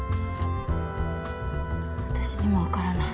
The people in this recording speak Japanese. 私にもわからない。